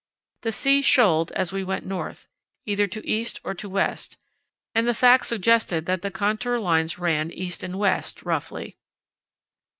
The sea shoaled as we went north, either to east or to west, and the fact suggested that the contour lines ran east and west, roughly.